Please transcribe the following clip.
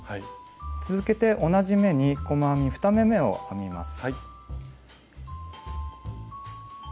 続けて同じ目に細編み２目めを編みます。